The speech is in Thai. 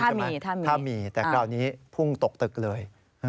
ใช่ไหมถ้ามีแต่คราวนี้พุ่งตกตึกเลย